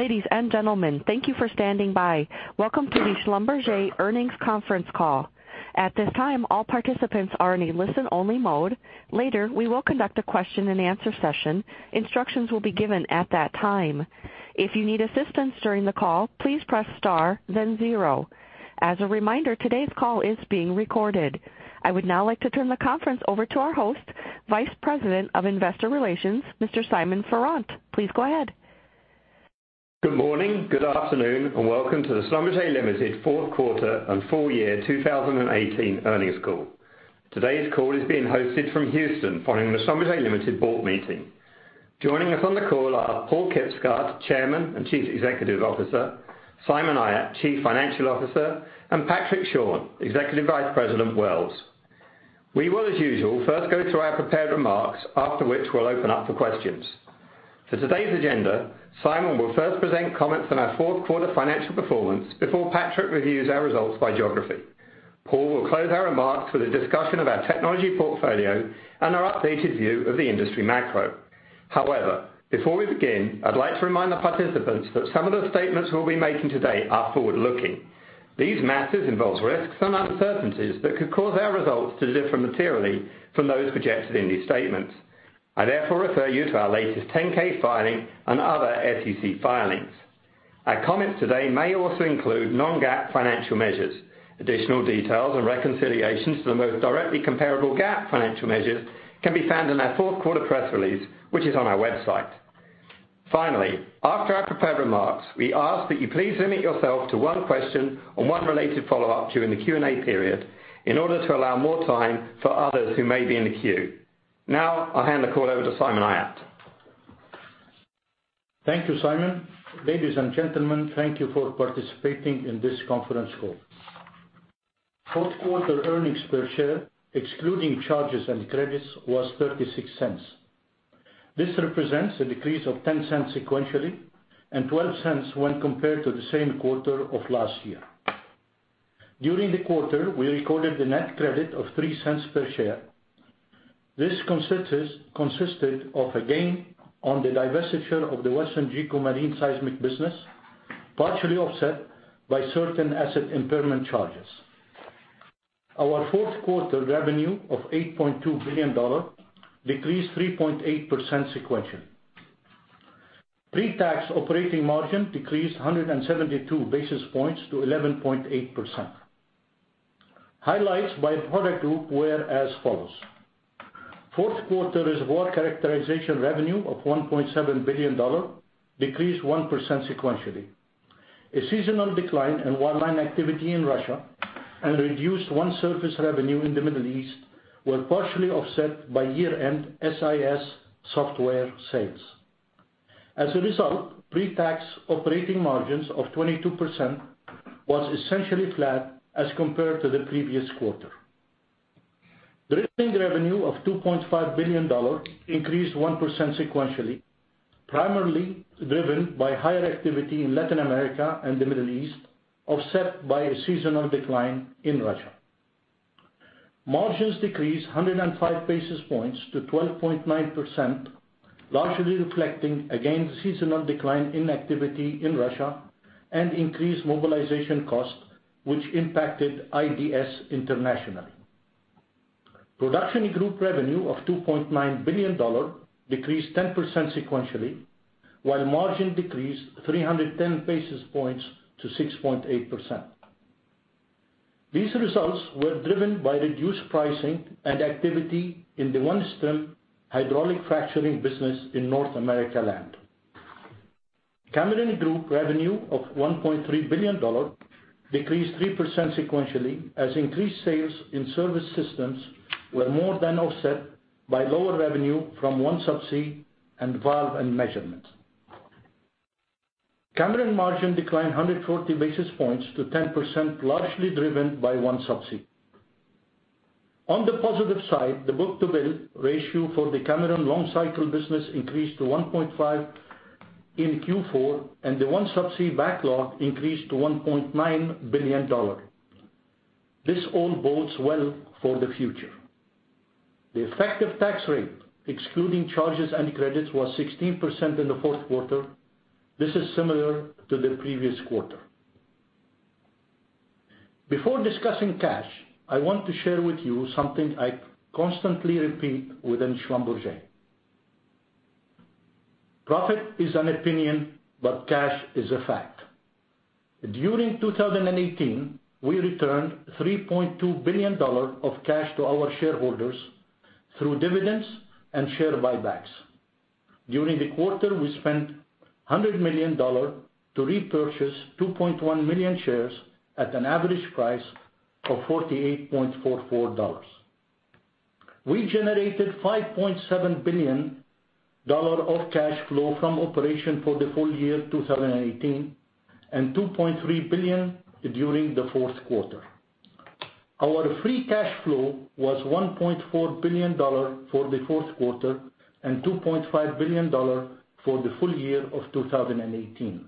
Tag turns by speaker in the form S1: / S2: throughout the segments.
S1: Ladies and gentlemen, thank you for standing by. Welcome to the Schlumberger earnings conference call. At this time, all participants are in a listen-only mode. Later, we will conduct a question-and-answer session. Instructions will be given at that time. If you need assistance during the call, please press star then zero. As a reminder, today's call is being recorded. I would now like to turn the conference over to our host, Vice President of Investor Relations, Mr. Simon Farrant. Please go ahead.
S2: Good morning, good afternoon, and welcome to the Schlumberger Limited fourth quarter and full year 2018 earnings call. Today's call is being hosted from Houston following the Schlumberger Limited board meeting. Joining us on the call are Paal Kibsgaard, Chairman and Chief Executive Officer, Simon Ayat, Chief Financial Officer, and Patrick Schorn, Executive Vice President, Wells. We will, as usual, first go through our prepared remarks, after which we'll open up for questions. For today's agenda, Simon will first present comments on our fourth quarter financial performance before Patrick reviews our results by geography. Paal will close our remarks with a discussion of our technology portfolio and our updated view of the industry macro. Before we begin, I'd like to remind the participants that some of the statements we'll be making today are forward-looking. These matters involve risks and uncertainties that could cause our results to differ materially from those projected in these statements. I therefore refer you to our latest 10-K filing and other SEC filings. Our comments today may also include non-GAAP financial measures. Additional details and reconciliations to the most directly comparable GAAP financial measures can be found in our fourth quarter press release, which is on our website. After our prepared remarks, we ask that you please limit yourself to one question or one related follow-up during the Q&A period in order to allow more time for others who may be in the queue. I'll hand the call over to Simon Ayat.
S3: T hank you, Simon. Ladies and gentlemen, thank you for participating in this conference call. Fourth quarter earnings per share, excluding charges and credits, was $0.36. This represents a decrease of $0.10 sequentially and $0.12 when compared to the same quarter of last year. During the quarter, we recorded a net credit of $0.03 per share. This consisted of a gain on the divestiture of the WesternGeco marine seismic business, partially offset by certain asset impairment charges. Our fourth quarter revenue of $8.2 billion decreased 3.8% sequentially. Pre-tax operating margin decreased 172 basis points to 11.8%. Highlights by product group were as follows. Fourth quarter reservoir characterization revenue of $1.7 billion decreased 1% sequentially. A seasonal decline in land activity in Russia and reduced OneService revenue in the Middle East were partially offset by year-end SIS software sales. As a result, pre-tax operating margins of 22% were essentially flat as compared to the previous quarter. Drilling revenue of $2.5 billion increased 1% sequentially, primarily driven by higher activity in Latin America and the Middle East, offset by a seasonal decline in Russia. Margins decreased 105 basis points to 12.9%, largely reflecting, again, seasonal decline in activity in Russia and increased mobilization costs which impacted IDS internationally. Production group revenue of $2.9 billion decreased 10% sequentially, while margin decreased 310 basis points to 6.8%. These results were driven by reduced pricing and activity in the OneStim hydraulic fracturing business in North America land. Cameron Group revenue of $1.3 billion decreased 3% sequentially as increased sales in Surface Systems were more than offset by lower revenue from OneSubsea and Valves & Measurement. Cameron margin declined 140 basis points to 10%, largely driven by OneSubsea. On the positive side, the book-to-bill ratio for the Cameron long-cycle business increased to 1.5 in Q4, and the OneSubsea backlog increased to $1.9 billion. This all bodes well for the future. The effective tax rate, excluding charges and credits, was 16% in the fourth quarter. This is similar to the previous quarter. Before discussing cash, I want to share with you something I constantly repeat within Schlumberger. Profit is an opinion, but cash is a fact. During 2018, we returned $3.2 billion of cash to our shareholders through dividends and share buybacks. During the quarter, we spent $100 million to repurchase 2.1 million shares at an average price of $48.44. We generated $5.7 billion of cash flow from operation for the full year 2018, and $2.3 billion during the fourth quarter. Our free cash flow was $1.4 billion for the fourth quarter and $2.5 billion for the full year of 2018.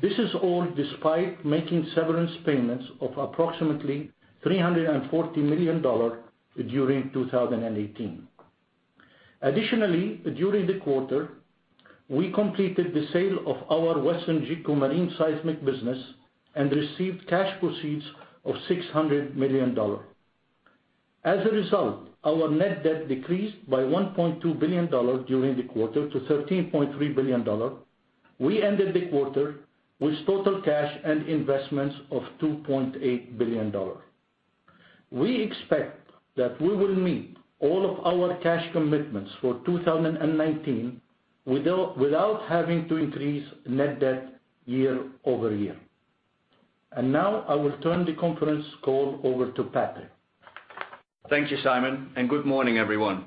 S3: This is all despite making severance payments of approximately $340 million during 2018. Additionally, during the quarter, we completed the sale of our WesternGeco marine seismic business and received cash proceeds of $600 million. As a result, our net debt decreased by $1.2 billion during the quarter to $13.3 billion. We ended the quarter with total cash and investments of $2.8 billion. We expect that we will meet all of our cash commitments for 2019 without having to increase net debt year-over-year. Now I will turn the conference call over to Patrick.
S4: Thank you, Simon, and good morning, everyone.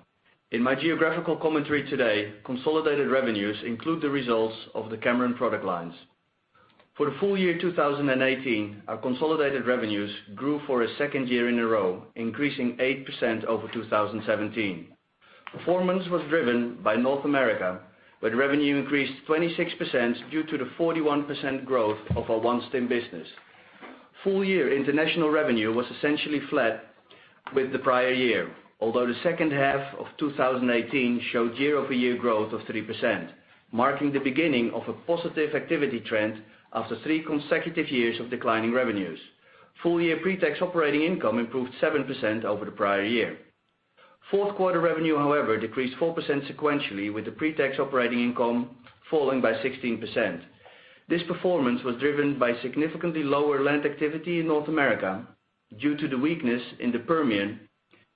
S4: In my geographical commentary today, consolidated revenues include the results of the Cameron product lines. For the full year 2018, our consolidated revenues grew for a second year in a row, increasing 8% over 2017. Performance was driven by North America, where revenue increased 26% due to the 41% growth of our OneStim business. Full year international revenue was essentially flat with the prior year, although the second half of 2018 showed year-over-year growth of 3%, marking the beginning of a positive activity trend after three consecutive years of declining revenues. Full year pre-tax operating income improved 7% over the prior year. Fourth quarter revenue, however, decreased 4% sequentially, with the pre-tax operating income falling by 16%. This performance was driven by significantly lower land activity in North America due to the weakness in the Permian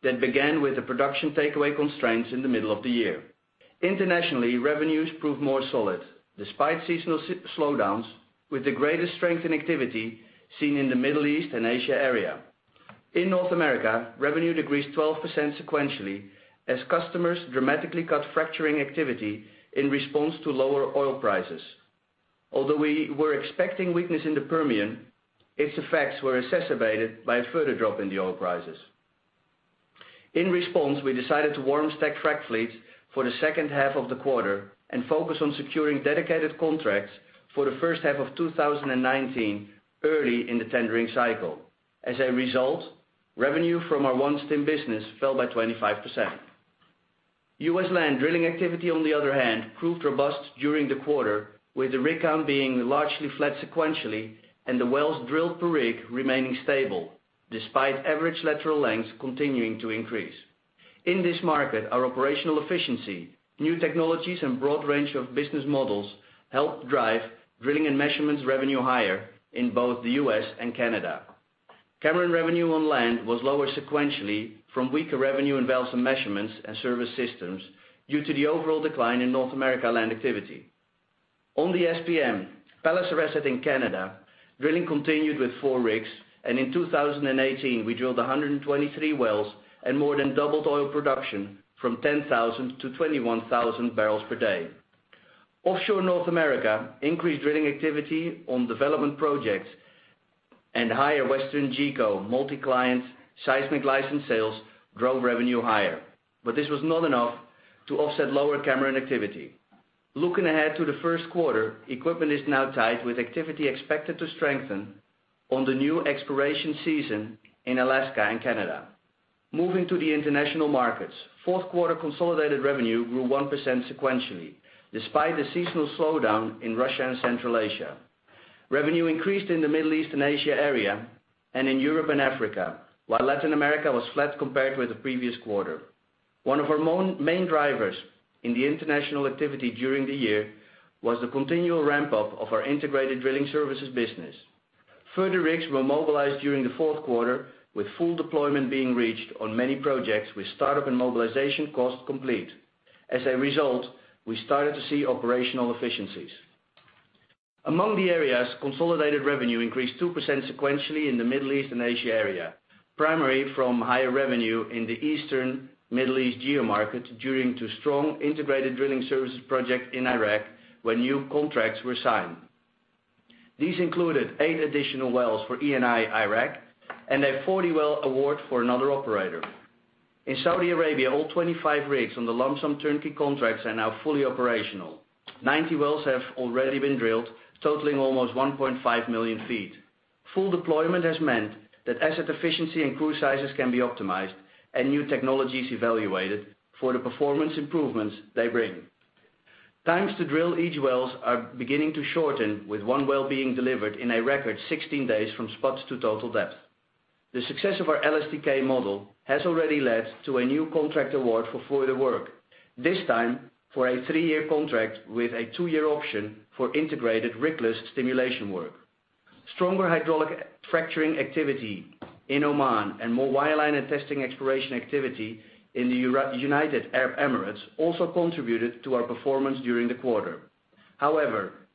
S4: that began with the production takeaway constraints in the middle of the year. Internationally, revenues proved more solid, despite seasonal slowdowns, with the greatest strength in activity seen in the Middle East and Asia area. In North America, revenue decreased 12% sequentially as customers dramatically cut fracturing activity in response to lower oil prices. Although we were expecting weakness in the Permian, its effects were exacerbated by a further drop in the oil prices. In response, we decided to warm stack frac fleets for the second half of the quarter and focus on securing dedicated contracts for the first half of 2019 early in the tendering cycle. As a result, revenue from our OneStim business fell by 25%. U.S. land drilling activity, on the other hand, proved robust during the quarter, with the rig count being largely flat sequentially and the wells drilled per rig remaining stable despite average lateral lengths continuing to increase. In this market, our operational efficiency, new technologies, and broad range of business models helped drive drilling and measurements revenue higher in both the U.S. and Canada. Cameron revenue on land was lower sequentially from weaker revenue in wells and measurements and Surface Systems due to the overall decline in North America land activity. On the SPM, Palliser asset in Canada, drilling continued with four rigs, and in 2018, we drilled 123 wells and more than doubled oil production from 10,000 to 21,000 barrels per day. Offshore North America increased drilling activity on development projects and higher WesternGeco multi-client seismic license sales drove revenue higher. This was not enough to offset lower Cameron activity. Looking ahead to the first quarter, equipment is now tight with activity expected to strengthen on the new exploration season in Alaska and Canada. Moving to the international markets, fourth quarter consolidated revenue grew 1% sequentially, despite the seasonal slowdown in Russia and Central Asia. Revenue increased in the Middle East and Asia area and in Europe and Africa, while Latin America was flat compared with the previous quarter. One of our main drivers in the international activity during the year was the continual ramp-up of our integrated drilling services business. Further rigs were mobilized during the fourth quarter, with full deployment being reached on many projects with startup and mobilization costs complete. As a result, we started to see operational efficiencies. Among the areas, consolidated revenue increased 2% sequentially in the Middle East and Asia area, primarily from higher revenue in the Eastern Middle East geomarket during two strong integrated drilling services project in Iraq, where new contracts were signed. These included eight additional wells for Eni Iraq and a 40-well award for another operator. In Saudi Arabia, all 25 rigs on the lump-sum turnkey contracts are now fully operational. 90 wells have already been drilled, totaling almost 1.5 million feet. Full deployment has meant that asset efficiency and crew sizes can be optimized and new technologies evaluated for the performance improvements they bring. Times to drill each wells are beginning to shorten, with one well being delivered in a record 16 days from spud to total depth. The success of our LSTK model has already led to a new contract award for further work, this time for a three-year contract with a two-year option for integrated rig-less stimulation work. Stronger hydraulic fracturing activity in Oman and more wireline and testing exploration activity in the United Arab Emirates also contributed to our performance during the quarter.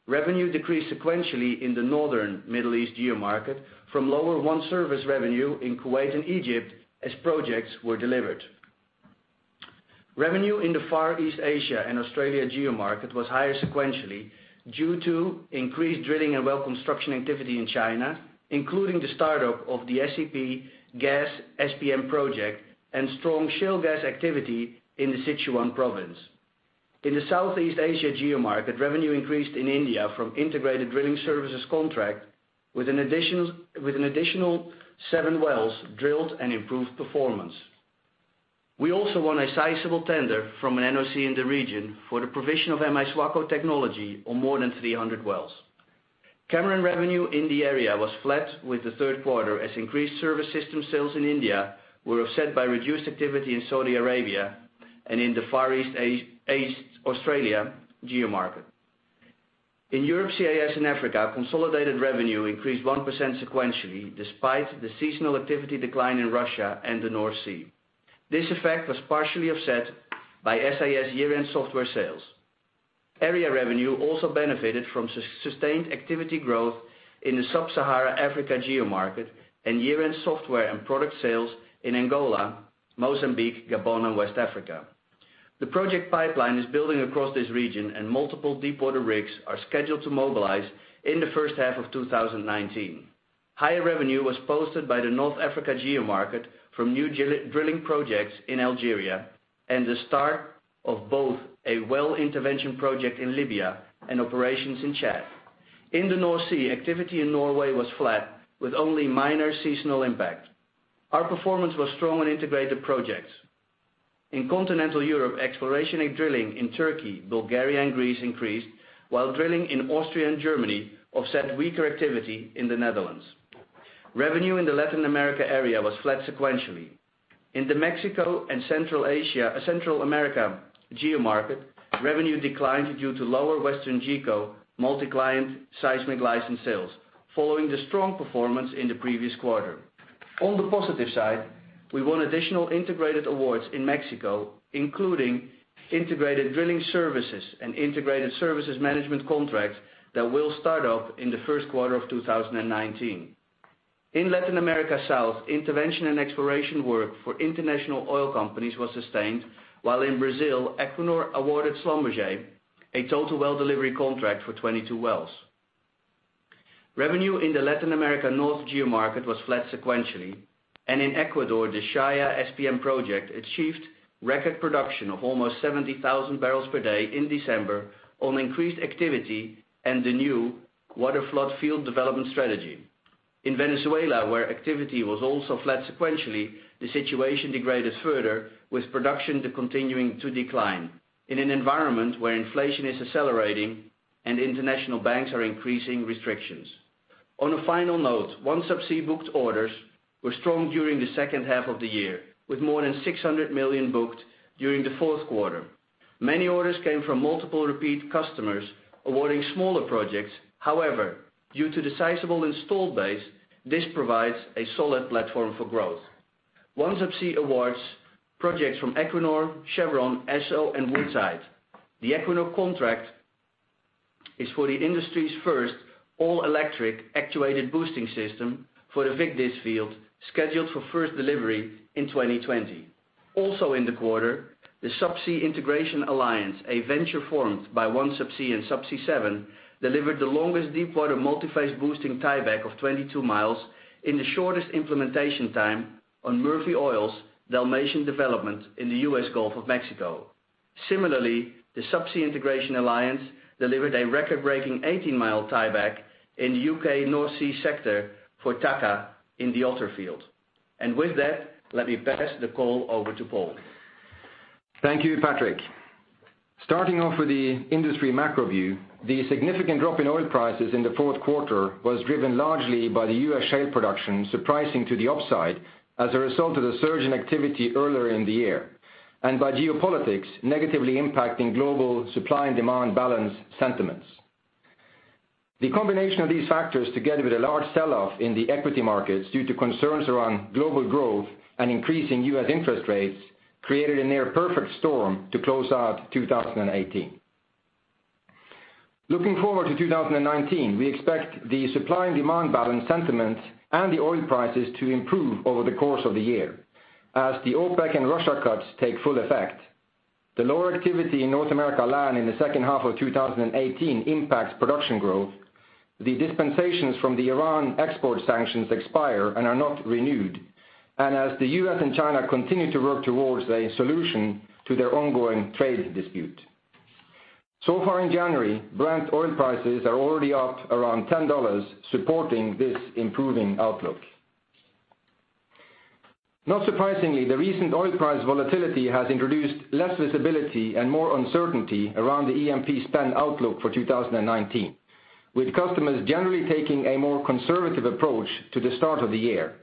S4: Revenue decreased sequentially in the Northern Middle East geomarket from lower OneService revenue in Kuwait and Egypt as projects were delivered. Revenue in the Far East Asia and Australia geomarket was higher sequentially due to increased drilling and well construction activity in China, including the startup of the SPM gas SPM project and strong shale gas activity in the Sichuan province. In the Southeast Asia geomarket, revenue increased in India from integrated drilling services contract with an additional seven wells drilled and improved performance. We also won a sizable tender from an NOC in the region for the provision of M-I SWACO technology on more than 300 wells. Cameron revenue in the area was flat with the third quarter, as increased Surface Systems sales in India were offset by reduced activity in Saudi Arabia and in the Far East, Australia geomarket. In Europe, CIS, and Africa, consolidated revenue increased 1% sequentially, despite the seasonal activity decline in Russia and the North Sea. This effect was partially offset by SIS year-end software sales. Area revenue also benefited from sustained activity growth in the sub-Sahara Africa geomarket and year-end software and product sales in Angola, Mozambique, Gabon, and West Africa. The project pipeline is building across this region, and multiple deepwater rigs are scheduled to mobilize in the first half of 2019. Higher revenue was posted by the North Africa geomarket from new drilling projects in Algeria, and the start of both a well intervention project in Libya and operations in Chad. In the North Sea, activity in Norway was flat with only minor seasonal impact. Our performance was strong on integrated projects. In continental Europe, exploration and drilling in Turkey, Bulgaria, and Greece increased, while drilling in Austria and Germany offset weaker activity in the Netherlands. Revenue in the Latin America area was flat sequentially. In the Mexico and Central America geomarket, revenue declined due to lower WesternGeco multi-client seismic license sales following the strong performance in the previous quarter. On the positive side, we won additional integrated awards in Mexico, including integrated drilling services and Integrated Services Management contracts that will start up in the first quarter of 2019. In Latin America South, intervention and exploration work for International Oil Companies was sustained, while in Brazil, Equinor awarded Schlumberger a total well delivery contract for 22 wells. Revenue in the Latin America North geomarket was flat sequentially, and in Ecuador, the Shushufindi SPM project achieved record production of almost 70,000 barrels per day in December on increased activity and the new waterflood field development strategy. In Venezuela, where activity was also flat sequentially, the situation degraded further with production continuing to decline in an environment where inflation is accelerating and international banks are increasing restrictions. On a final note, OneSubsea booked orders were strong during the second half of the year, with more than $600 million booked during the fourth quarter. Due to the sizable installed base, this provides a solid platform for growth. OneSubsea awards projects from Equinor, Chevron, Esso, and Woodside. The Equinor contract is for the industry's first all-electric actuated boosting system for the Vigdis field, scheduled for first delivery in 2020. Also in the quarter, the Subsea Integration Alliance, a venture formed by OneSubsea and Subsea 7, delivered the longest deepwater multi-phase boosting tieback of 22 miles in the shortest implementation time on Murphy Oil's Dalmatian development in the U.S. Gulf of Mexico. Similarly, the Subsea Integration Alliance delivered a record-breaking 18-mile tieback in the U.K. North Sea sector for Taqa in the Otter field. With that, let me pass the call over to Paal.
S5: Thank you, Patrick. Starting off with the industry macro view, the significant drop in oil prices in the fourth quarter was driven largely by the U.S. shale production surprising to the upside as a result of the surge in activity earlier in the year, by geopolitics negatively impacting global supply and demand balance sentiments. The combination of these factors, together with a large sell-off in the equity markets due to concerns around global growth and increasing U.S. interest rates, created a near-perfect storm to close out 2018. Looking forward to 2019, we expect the supply and demand balance sentiments and the oil prices to improve over the course of the year as the OPEC and Russia cuts take full effect. The lower activity in North America land in the second half of 2018 impacts production growth. The dispensations from the Iran export sanctions expire and are not renewed, as the U.S. and China continue to work towards a solution to their ongoing trade dispute. So far in January, Brent oil prices are already up around $10, supporting this improving outlook. Not surprisingly, the recent oil price volatility has introduced less visibility and more uncertainty around the E&P spend outlook for 2019, with customers generally taking a more conservative approach to the start of the year,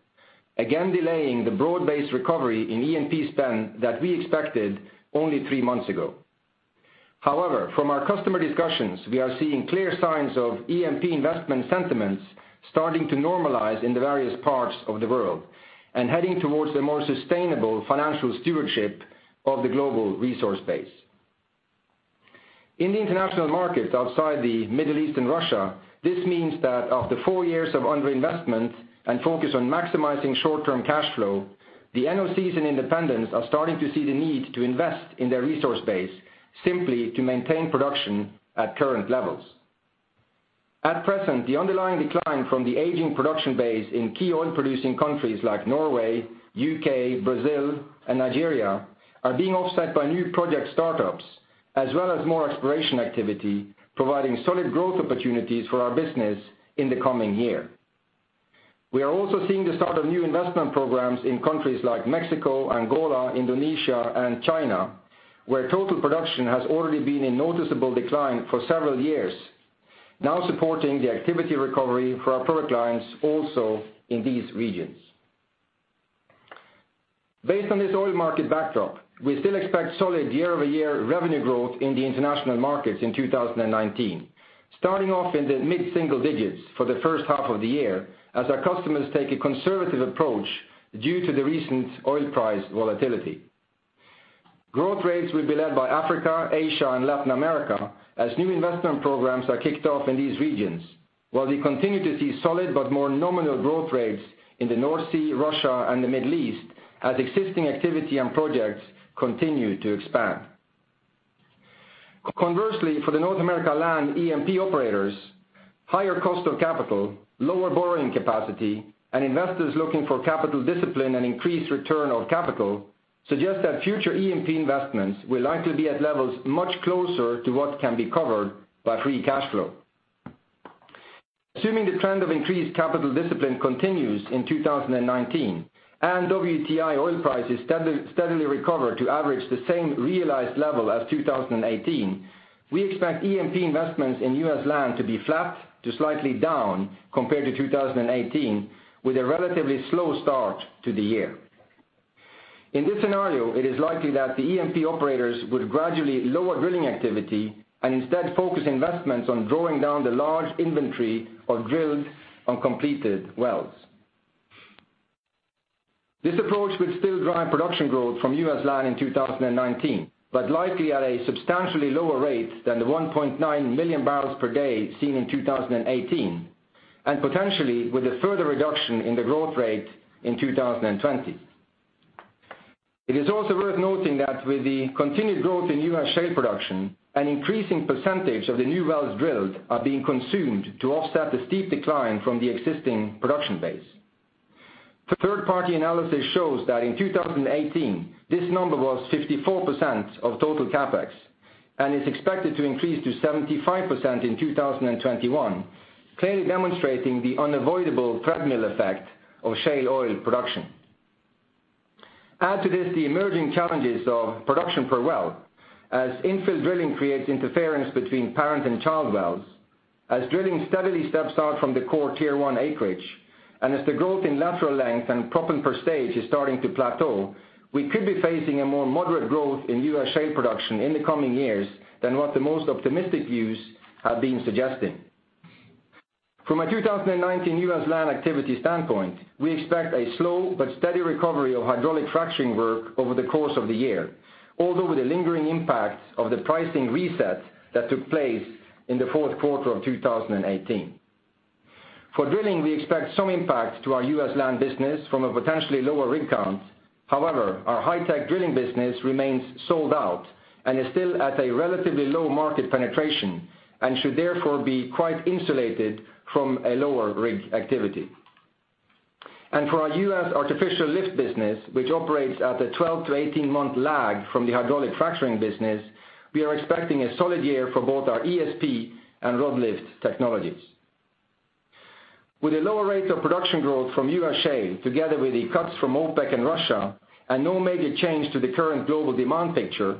S5: again delaying the broad-based recovery in E&P spend that we expected only three months ago. However, from our customer discussions, we are seeing clear signs of E&P investment sentiments starting to normalize in the various parts of the world and heading towards a more sustainable financial stewardship of the global resource base. In the international markets outside the Middle East and Russia, this means that after four years of underinvestment and focus on maximizing short-term cash flow, the NOCs and independents are starting to see the need to invest in their resource base simply to maintain production at current levels. At present, the underlying decline from the aging production base in key oil-producing countries like Norway, U.K., Brazil, and Nigeria are being offset by new project startups as well as more exploration activity, providing solid growth opportunities for our business in the coming year. We are also seeing the start of new investment programs in countries like Mexico, Angola, Indonesia, and China, where total production has already been in noticeable decline for several years, now supporting the activity recovery for our product lines also in these regions. Based on this oil market backdrop, we still expect solid year-over-year revenue growth in the international markets in 2019. Starting off in the mid-single digits for the first half of the year, as our customers take a conservative approach due to the recent oil price volatility. Growth rates will be led by Africa, Asia, and Latin America as new investment programs are kicked off in these regions, while we continue to see solid but more nominal growth rates in the North Sea, Russia, and the Middle East as existing activity and projects continue to expand. Conversely, for the North America land E&P operators, higher cost of capital, lower borrowing capacity, and investors looking for capital discipline and increased return on capital suggest that future E&P investments will likely be at levels much closer to what can be covered by free cash flow. Assuming the trend of increased capital discipline continues in 2019 and WTI oil prices steadily recover to average the same realized level as 2018, we expect E&P investments in U.S. land to be flat to slightly down compared to 2018, with a relatively slow start to the year. In this scenario, it is likely that the E&P operators would gradually lower drilling activity and instead focus investments on drawing down the large inventory of drilled, uncompleted wells. This approach will still drive production growth from U.S. land in 2019, but likely at a substantially lower rate than the 1.9 million barrels per day seen in 2018, and potentially with a further reduction in the growth rate in 2020. It is also worth noting that with the continued growth in U.S. shale production, an increasing percentage of the new wells drilled are being consumed to offset the steep decline from the existing production base. Third party analysis shows that in 2018, this number was 54% of total CapEx and is expected to increase to 75% in 2021, clearly demonstrating the unavoidable treadmill effect of shale oil production. Add to this the emerging challenges of production per well as infill drilling creates interference between parent and child wells, as drilling steadily steps out from the core Tier 1 acreage, and as the growth in lateral length and proppant per stage is starting to plateau, we could be facing a more moderate growth in U.S. shale production in the coming years than what the most optimistic views have been suggesting. From a 2019 U.S. land activity standpoint, we expect a slow but steady recovery of hydraulic fracturing work over the course of the year, although with a lingering impact of the pricing reset that took place in the fourth quarter of 2018. For drilling, we expect some impact to our U.S. land business from a potentially lower rig count. However, our high-tech drilling business remains sold out and is still at a relatively low market penetration and should therefore be quite insulated from a lower rig activity. For our U.S. artificial lift business, which operates at a 12-18 month lag from the hydraulic fracturing business, we are expecting a solid year for both our ESP and rod lift technologies. With a lower rate of production growth from U.S. shale, together with the cuts from OPEC and Russia, no major change to the current global demand picture,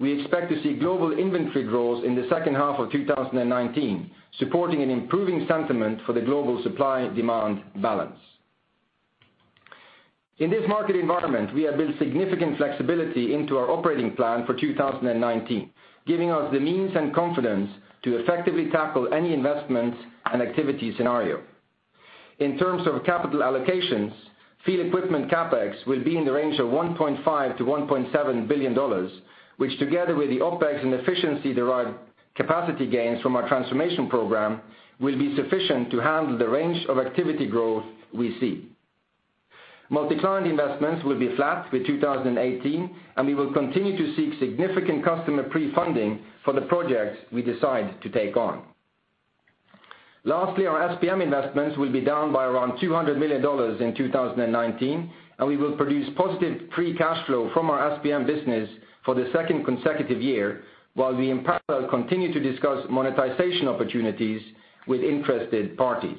S5: we expect to see global inventory growth in the second half of 2019, supporting an improving sentiment for the global supply and demand balance. In this market environment, we have built significant flexibility into our operating plan for 2019, giving us the means and confidence to effectively tackle any investments and activity scenario. In terms of capital allocations, field equipment CapEx will be in the range of $1.5 billion-$1.7 billion, which together with the OpEx and efficiency derived capacity gains from our transformation program, will be sufficient to handle the range of activity growth we see. Multi-client investments will be flat with 2018, and we will continue to seek significant customer pre-funding for the projects we decide to take on. Our SPM investments will be down by around $200 million in 2019, and we will produce positive free cash flow from our SPM business for the second consecutive year, while we in parallel continue to discuss monetization opportunities with interested parties.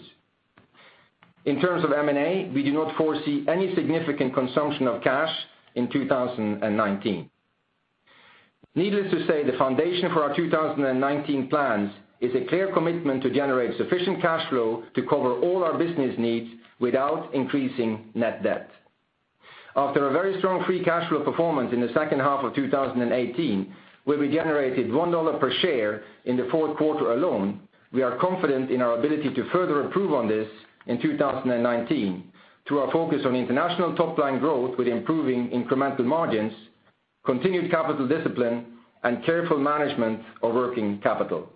S5: In terms of M&A, we do not foresee any significant consumption of cash in 2019. Needless to say, the foundation for our 2019 plans is a clear commitment to generate sufficient cash flow to cover all our business needs without increasing net debt. After a very strong free cash flow performance in the second half of 2018, where we generated $1 per share in the fourth quarter alone, we are confident in our ability to further improve on this in 2019 through our focus on international top line growth with improving incremental margins, continued capital discipline, and careful management of working capital.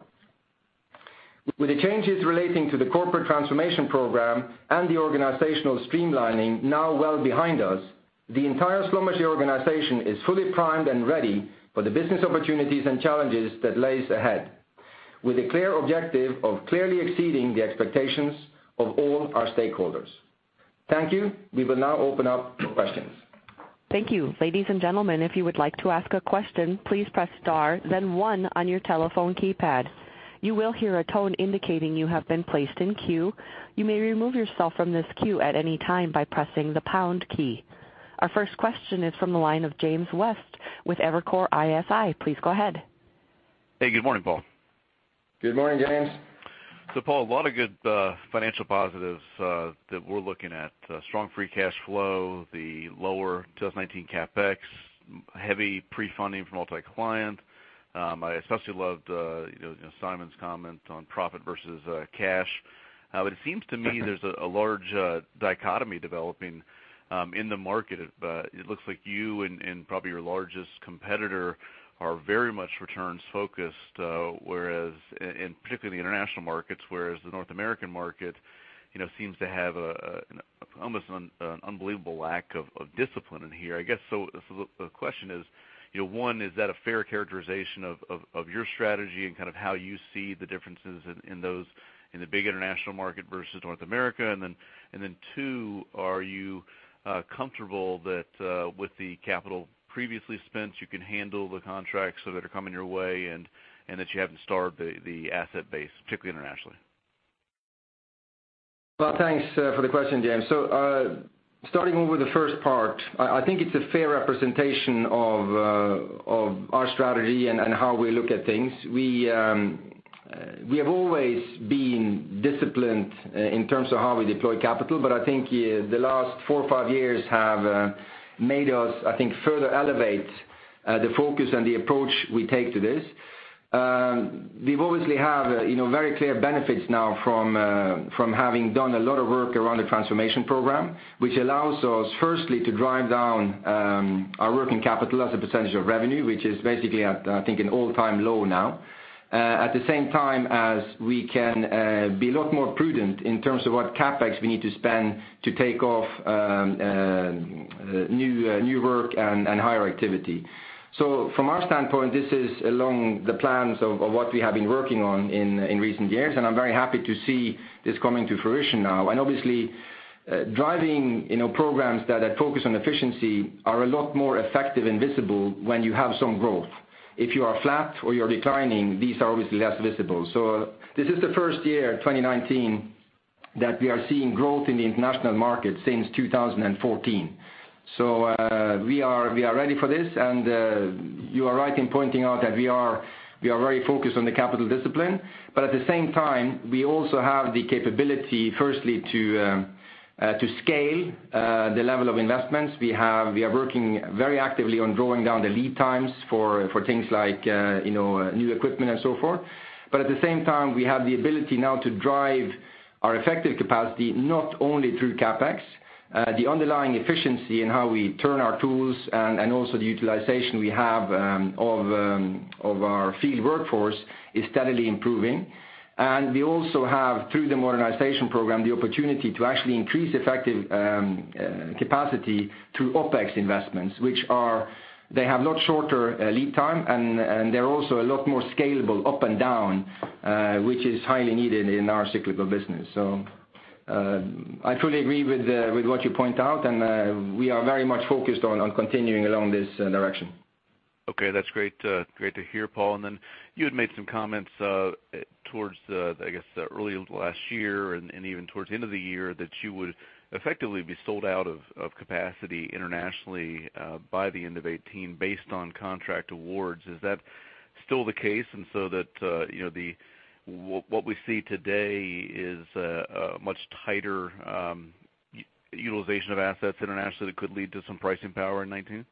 S5: With the changes relating to the corporate transformation program and the organizational streamlining now well behind us. The entire Schlumberger organization is fully primed and ready for the business opportunities and challenges that lays ahead, with a clear objective of clearly exceeding the expectations of all our stakeholders. Thank you. We will now open up for questions.
S1: Thank you. Ladies and gentlemen, if you would like to ask a question, please press star, then one on your telephone keypad. You will hear a tone indicating you have been placed in queue. You may remove yourself from this queue at any time by pressing the pound key. Our first question is from the line of James West with Evercore ISI. Please go ahead.
S6: Hey. Good morning, Paal.
S5: Good morning, James.
S6: Paal, a lot of good financial positives that we're looking at. Strong free cash flow, the lower 2019 CapEx, heavy pre-funding from multi-client. I especially loved Simon's comment on profit versus cash. It seems to me there's a large dichotomy developing in the market. It looks like you and probably your largest competitor are very much returns focused, in particularly the international markets, whereas the North American market seems to have almost an unbelievable lack of discipline in here. I guess the question is, one, is that a fair characterization of your strategy and how you see the differences in the big international market versus North America? Then two, are you comfortable that with the capital previously spent, you can handle the contracts that are coming your way and that you haven't starved the asset base, particularly internationally?
S5: Thanks for the question, James. Starting with the first part, I think it's a fair representation of our strategy and how we look at things. We have always been disciplined in terms of how we deploy capital, but I think the last four or five years have made us further elevate the focus and the approach we take to this. We obviously have very clear benefits now from having done a lot of work around the transformation program, which allows us, firstly, to drive down our working capital as a percentage of revenue, which is basically at an all-time low now. At the same time, as we can be a lot more prudent in terms of what CapEx we need to spend to take off new work and higher activity. From our standpoint, this is along the plans of what we have been working on in recent years, I'm very happy to see this coming to fruition now. Obviously, driving programs that focus on efficiency are a lot more effective and visible when you have some growth. If you are flat or you're declining, these are obviously less visible. This is the first year, 2019, that we are seeing growth in the international market since 2014. We are ready for this, and you are right in pointing out that we are very focused on the capital discipline, but at the same time, we also have the capability, firstly, to scale the level of investments. We are working very actively on drawing down the lead times for things like new equipment and so forth. At the same time, we have the ability now to drive our effective capacity, not only through CapEx. The underlying efficiency in how we turn our tools and also the utilization we have of our field workforce is steadily improving. We also have, through the modernization program, the opportunity to actually increase effective capacity through OpEx investments. They have a lot shorter lead time, and they're also a lot more scalable up and down, which is highly needed in our cyclical business. I fully agree with what you point out, and we are very much focused on continuing along this direction.
S6: Okay. That's great to hear, Paal. You had made some comments towards, I guess, early last year and even towards the end of the year, that you would effectively be sold out of capacity internationally by the end of 2018 based on contract awards. Is that still the case, and so that what we see today is a much tighter utilization of assets internationally that could lead to some pricing power in 2019?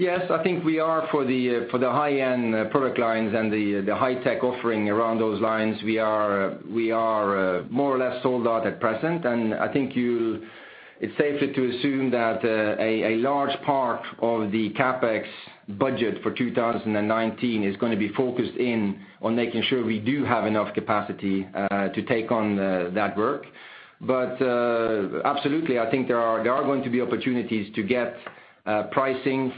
S5: Yes, I think we are for the high-end product lines and the high-tech offering around those lines. We are more or less sold out at present, and I think it's safely to assume that a large part of the CapEx budget for 2019 is going to be focused in on making sure we do have enough capacity to take on that work. Absolutely, I think there are going to be opportunities to get pricing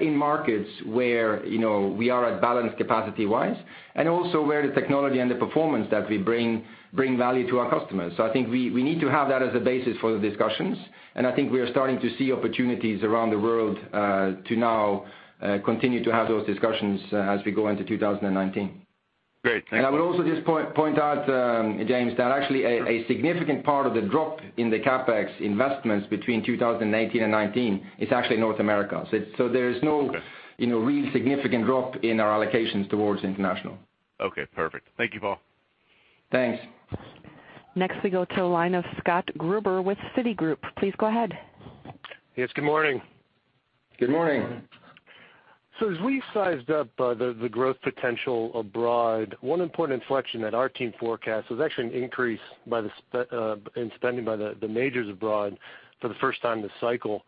S5: in markets where we are at balance capacity-wise, and also where the technology and the performance that we bring value to our customers. I think we need to have that as a basis for the discussions, and I think we are starting to see opportunities around the world to now continue to have those discussions as we go into 2019.
S6: Great. Thanks, Paal.
S5: I would also just point out, James, that actually a significant part of the drop in the CapEx investments between 2018 and 2019 is actually North America.
S6: Okay.
S5: There is no real significant drop in our allocations towards international.
S6: Okay, perfect. Thank you, Paal.
S5: Thanks.
S1: We go to the line of Scott Gruber with Citigroup. Please go ahead.
S7: Yes, good morning.
S5: Good morning.
S7: As we sized up the growth potential abroad, one important inflection that our team forecasts was actually an increase in spending by the majors abroad for the first time this cycle.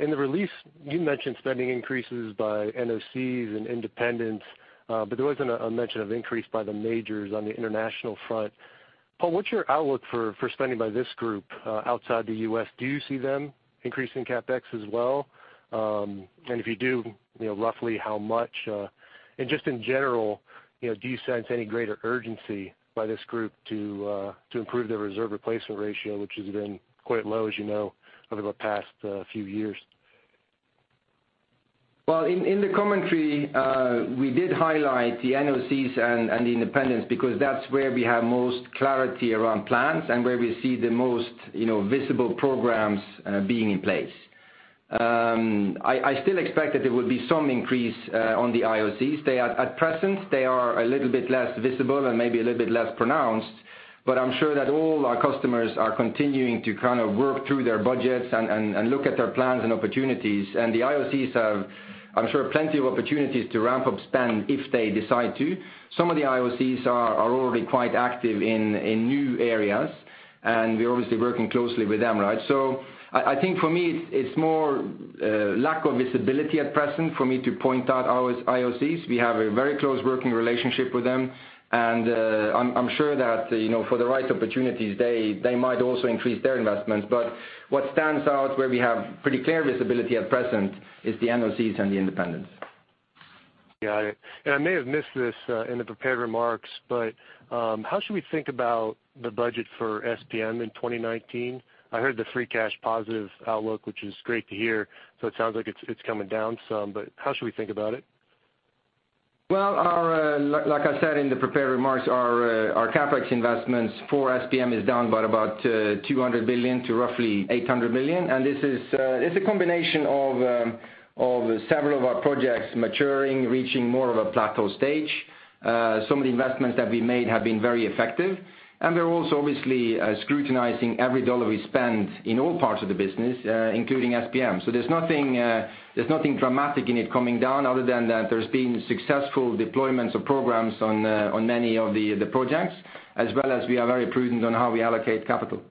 S7: In the release, you mentioned spending increases by NOCs and independents, but there wasn't a mention of increase by the majors on the international front. Paal, what's your outlook for spending by this group, outside the U.S.? Do you see them increasing CapEx as well? If you do, roughly how much? Just in general, do you sense any greater urgency by this group to improve their reserve replacement ratio, which has been quite low, as you know, over the past few years?
S5: Well, in the commentary, we did highlight the NOCs and the independents, because that's where we have most clarity around plans and where we see the most visible programs being in place. I still expect that there will be some increase on the IOCs. At present, they are a little bit less visible and maybe a little bit less pronounced, but I'm sure that all our customers are continuing to work through their budgets and look at their plans and opportunities. The IOCs have, I'm sure, plenty of opportunities to ramp up spend if they decide to. Some of the IOCs are already quite active in new areas, and we're obviously working closely with them. I think for me, it's more lack of visibility at present for me to point out our IOCs. We have a very close working relationship with them, and I'm sure that for the right opportunities, they might also increase their investments. What stands out, where we have pretty clear visibility at present, is the NOCs and the independents.
S7: Got it. I may have missed this in the prepared remarks, but how should we think about the budget for SPM in 2019? I heard the free cash positive outlook, which is great to hear, it sounds like it's coming down some, how should we think about it?
S5: Well, like I said in the prepared remarks, our CapEx investments for SPM is down by about $200 million to roughly $800 million. This is a combination of several of our projects maturing, reaching more of a plateau stage. Some of the investments that we made have been very effective. We're also obviously scrutinizing every dollar we spend in all parts of the business, including SPM. There's nothing dramatic in it coming down other than that there's been successful deployments of programs on many of the projects, as well as we are very prudent on how we allocate capital.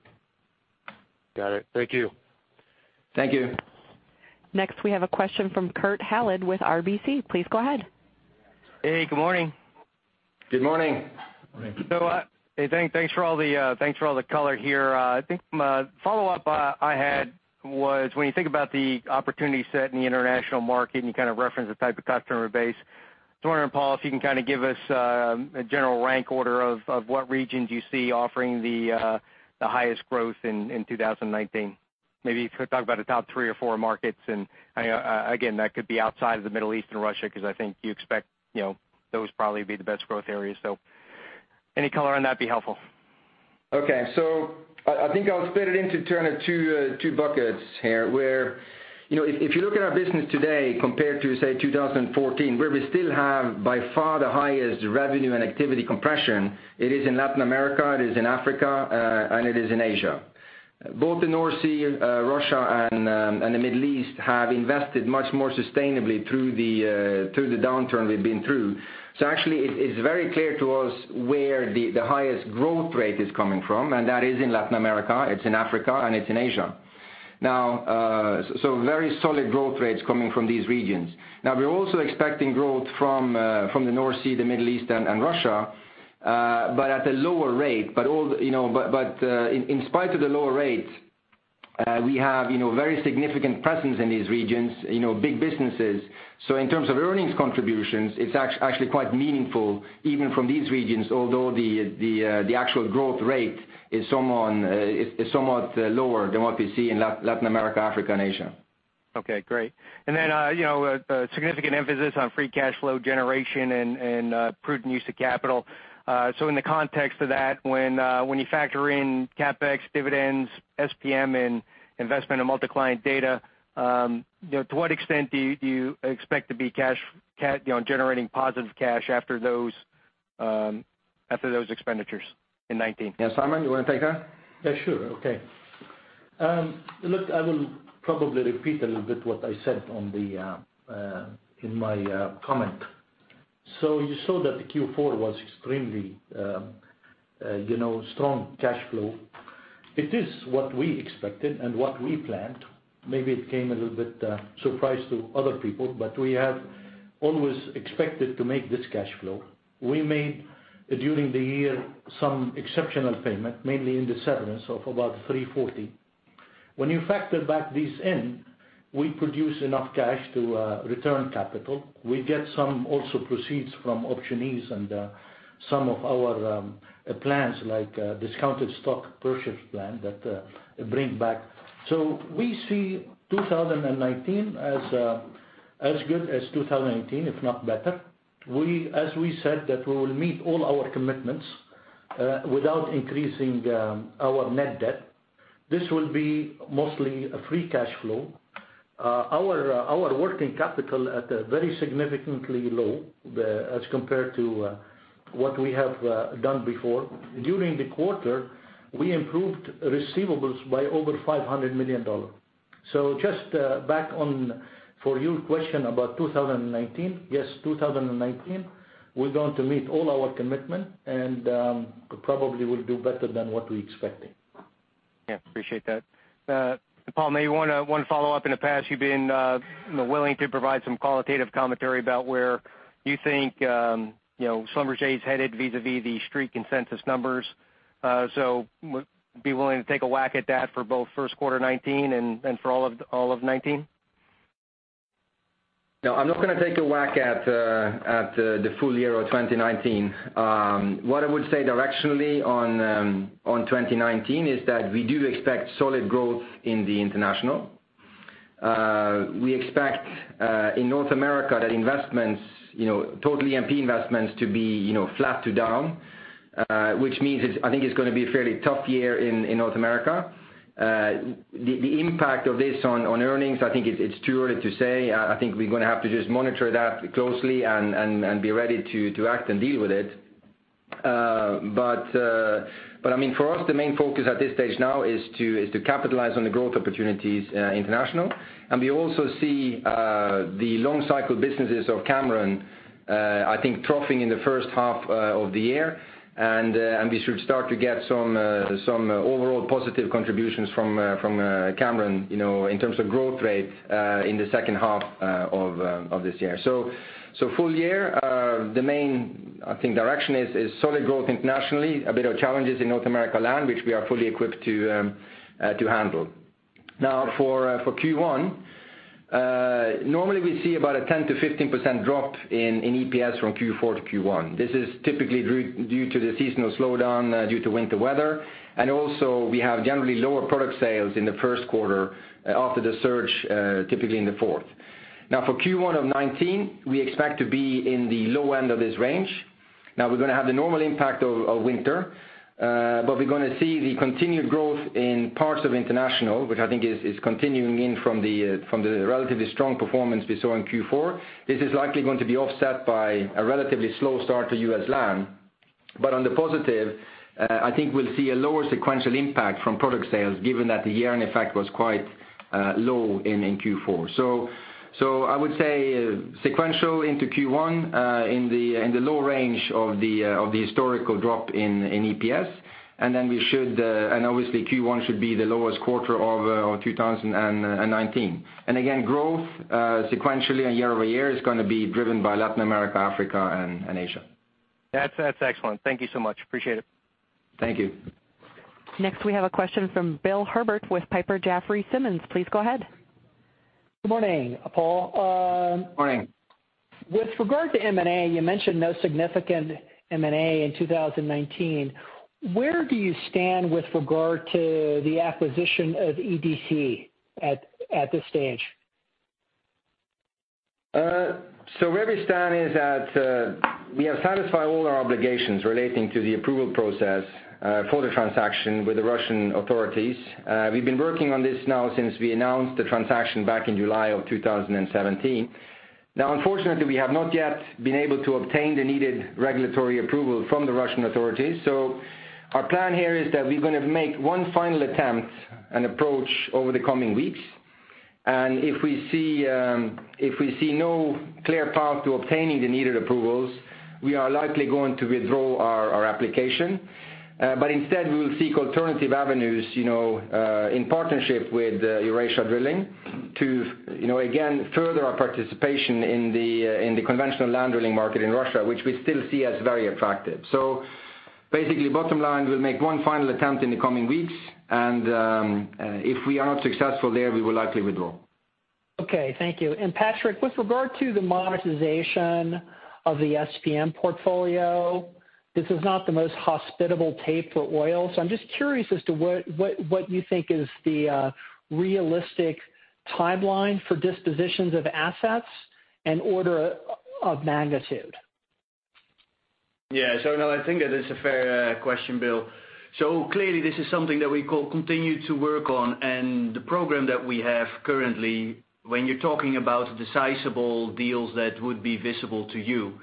S7: Got it. Thank you.
S5: Thank you.
S1: Next, we have a question from Kurt Hallead with RBC. Please go ahead.
S8: Hey, good morning.
S5: Good morning.
S8: Hey, thanks for all the color here. I think my follow-up I had was when you think about the opportunity set in the international market, and you referenced the type of customer base. I was wondering, Paal, if you can give us a general rank order of what regions you see offering the highest growth in 2019. Maybe if you could talk about the top three or four markets, and again, that could be outside of the Middle East and Russia, because I think you expect those probably to be the best growth areas. Any color on that would be helpful.
S5: Okay. I think I'll split it into two buckets here, where if you look at our business today compared to, say, 2014, where we still have by far the highest revenue and activity compression, it is in Latin America, it is in Africa, and it is in Asia. Both the North Sea, Russia, and the Middle East have invested much more sustainably through the downturn we've been through. Actually, it's very clear to us where the highest growth rate is coming from, and that is in Latin America, it's in Africa, and it's in Asia. Now, very solid growth rates coming from these regions. We're also expecting growth from the North Sea, the Middle East, and Russia, but at a lower rate. In spite of the lower rates, we have very significant presence in these regions, big businesses. In terms of earnings contributions, it's actually quite meaningful even from these regions, although the actual growth rate is somewhat lower than what we see in Latin America, Africa, and Asia.
S8: Okay, great. A significant emphasis on free cash flow generation and prudent use of capital. In the context of that, when you factor in CapEx, dividends, SPM, and investment in multi-client data, to what extent do you expect to be generating positive cash after those expenditures in 2019?
S5: Yeah, Simon, you want to take that?
S3: Yeah, sure. Okay. Look, I will probably repeat a little bit what I said in my comment. You saw that the Q4 was extremely strong cash flow. It is what we expected and what we planned. Maybe it came a little bit surprise to other people, but we have always expected to make this cash flow. We made, during the year, some exceptional payment, mainly in the settlements of about $340. When you factor back this in, we produce enough cash to return capital. We get some also proceeds from optionees and some of our plans, like discounted stock purchase plan that bring back. We see 2019 as good as 2018, if not better. As we said, that we will meet all our commitments without increasing our net debt. This will be mostly free cash flow. Our working capital at a very significantly low as compared to what we have done before. During the quarter, we improved receivables by over $500 million. Just back on for your question about 2019. Yes, 2019, we're going to meet all our commitment and probably will do better than what we expected.
S8: Yeah, appreciate that. Paal, maybe one follow-up. In the past, you've been willing to provide some qualitative commentary about where you think Schlumberger is headed vis-a-vis the Street consensus numbers. Would be willing to take a whack at that for both first quarter 2019 and for all of 2019?
S5: No, I'm not going to take a whack at the full year of 2019. What I would say directionally on 2019 is that we do expect solid growth in the international. We expect, in North America, that total E&P investments to be flat to down, which means I think it's going to be a fairly tough year in North America. The impact of this on earnings, I think it's too early to say. I think we're going to have to just monitor that closely and be ready to act and deal with it. I mean, for us, the main focus at this stage now is to capitalize on the growth opportunities international. We also see the long-cycle businesses of Cameron I think troughing in the first half of the year. We should start to get some overall positive contributions from Cameron in terms of growth rate in the second half of this year. Full year, the main direction is solid growth internationally, a bit of challenges in North America land, which we are fully equipped to handle. For Q1, normally we see about a 10%-15% drop in EPS from Q4 to Q1. This is typically due to the seasonal slowdown due to winter weather, and also we have generally lower product sales in the first quarter after the surge typically in the fourth. For Q1 of 2019, we expect to be in the low end of this range. We're going to have the normal impact of winter, we're going to see the continued growth in parts of international, which I think is continuing in from the relatively strong performance we saw in Q4. This is likely going to be offset by a relatively slow start to U.S. land. On the positive, I think we'll see a lower sequential impact from product sales given that the year-on-effect was quite low in Q4. I would say sequential into Q1, in the low range of the historical drop in EPS. Obviously Q1 should be the lowest quarter of 2019. Again, growth sequentially and year-over-year is going to be driven by Latin America, Africa, and Asia.
S8: That's excellent. Thank you so much. Appreciate it.
S5: Thank you.
S1: We have a question from Bill Herbert with Piper Jaffray Simmons. Please go ahead.
S9: Good morning, Paal.
S5: Morning.
S9: With regard to M&A, you mentioned no significant M&A in 2019. Where do you stand with regard to the acquisition of EDC at this stage?
S5: Where we stand is that we have satisfied all our obligations relating to the approval process for the transaction with the Russian authorities. We've been working on this now since we announced the transaction back in July of 2017. Unfortunately, we have not yet been able to obtain the needed regulatory approval from the Russian authorities. Our plan here is that we're going to make one final attempt and approach over the coming weeks. If we see no clear path to obtaining the needed approvals, we are likely going to withdraw our application. Instead we will seek alternative avenues in partnership with Eurasia Drilling to again further our participation in the conventional land drilling market in Russia, which we still see as very attractive. Basically bottom line, we'll make one final attempt in the coming weeks, if we are not successful there, we will likely withdraw.
S9: Okay, thank you. Patrick, with regard to the monetization of the SPM portfolio, this is not the most hospitable tape for oil. I'm just curious as to what you think is the realistic timeline for dispositions of assets and order of magnitude.
S5: No, I think that is a fair question, Bill. Clearly this is something that we continue to work on, and the program that we have currently, when you're talking about sizable deals that would be visible to you,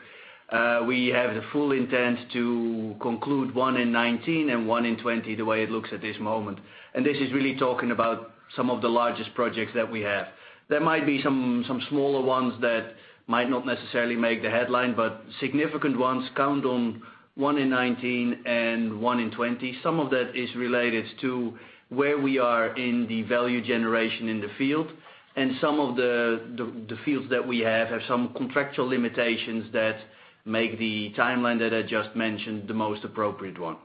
S5: we have the full intent to conclude one in 2019 and one in 2020, the way it looks at this moment. This is really talking about some of the largest projects that we have. There might be some smaller ones that might not necessarily make the headline, but significant ones count on one in 2019 and one in 2020. Some of that is related to where we are in the value generation in the field. Some of the fields that we have some contractual limitations that make the timeline that I just mentioned the most appropriate one.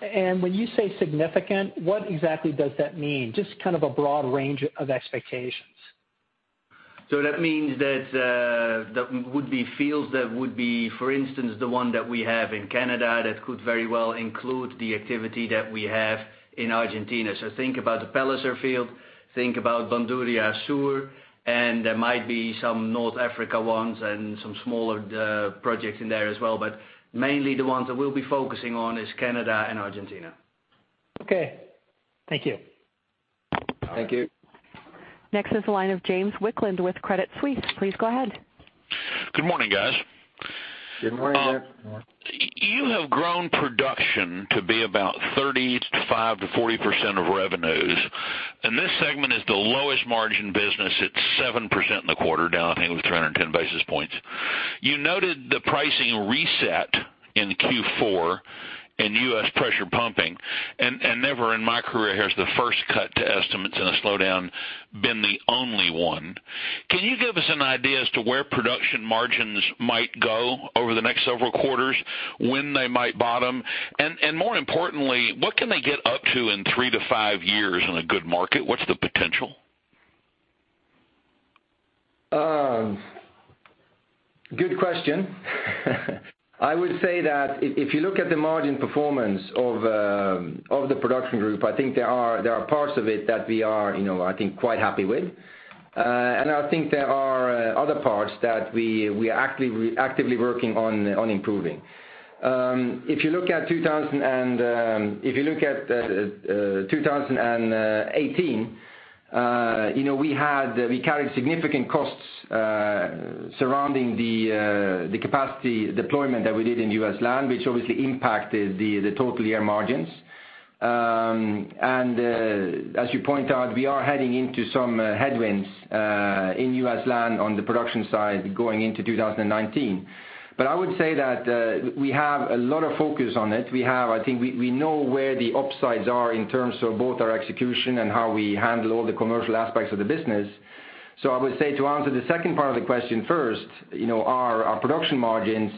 S9: When you say significant, what exactly does that mean? Just kind of a broad range of expectations.
S5: That means that would be fields that would be, for instance, the one that we have in Canada that could very well include the activity that we have in Argentina. Think about the Palliser Field, think about Bandurria Sur, and there might be some North Africa ones and some smaller projects in there as well. Mainly the ones that we'll be focusing on is Canada and Argentina.
S9: Okay. Thank you.
S5: Thank you.
S1: Next is the line of James Wicklund with Credit Suisse. Please go ahead.
S10: Good morning, guys.
S5: Good morning, James.
S10: You have grown production to be about 35%-40% of revenues. This segment is the lowest margin business. It's 7% in the quarter, down, I think it was 310 basis points. You noted the pricing reset in Q4 and U.S. pressure pumping. Never in my career has the first cut to estimates in a slowdown been the only one. Can you give us an idea as to where production margins might go over the next several quarters, when they might bottom, and more importantly, what can they get up to in three to five years in a good market? What's the potential?
S5: Good question. I would say that if you look at the margin performance of the production group, I think there are parts of it that we are quite happy with. I think there are other parts that we are actively working on improving. If you look at 2018, we carried significant costs surrounding the capacity deployment that we did in U.S. land, which obviously impacted the total year margins. As you point out, we are heading into some headwinds in U.S. land on the production side going into 2019. I would say that we have a lot of focus on it. We know where the upsides are in terms of both our execution and how we handle all the commercial aspects of the business. I would say to answer the second part of the question first, our production margins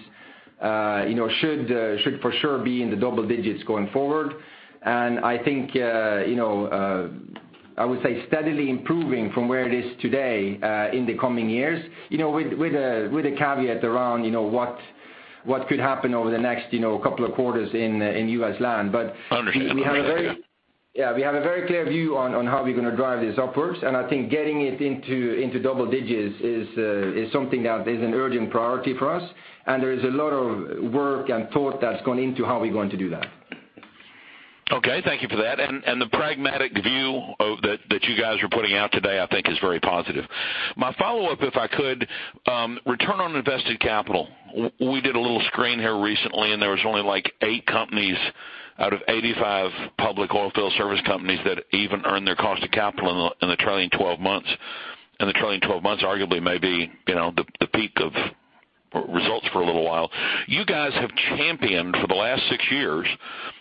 S5: should for sure be in the double digits going forward. I would say steadily improving from where it is today in the coming years. With a caveat around what could happen over the next couple of quarters in U.S. land.
S10: Understood
S5: We have a very clear view on how we're going to drive this upwards. I think getting it into double digits is something that is an urgent priority for us, and there is a lot of work and thought that's gone into how we're going to do that.
S10: Okay. Thank you for that. The pragmatic view that you guys are putting out today, I think is very positive. My follow-up, if I could, return on invested capital. We did a little screen here recently, and there was only eight companies out of 85 public oilfield service companies that even earned their cost of capital in the trailing 12 months. The trailing 12 months arguably may be the peak of results for a little while. You guys have championed for the last six years,